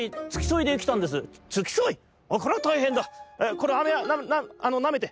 このあめなめて。